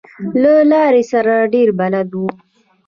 له لارې سره ډېر بلد و.